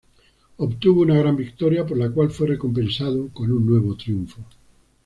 Obtuvo una gran victoria, por lo cual fue recompensado con un nuevo triunfo.